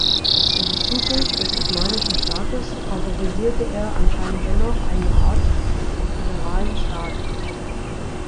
Für die Zukunft des osmanischen Staates favorisierte er anscheinend dennoch eine Art föderalen Staat.